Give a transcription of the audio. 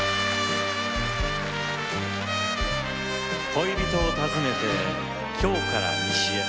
恋人を訪ねて京から西へ。